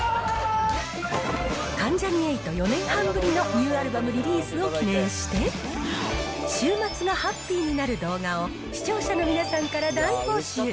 関ジャニ∞、４年半ぶりのニューアルバムリリースを記念して、週末がハッピーになる動画を、視聴者の皆さんから大募集。